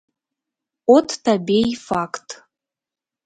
От табе й факт.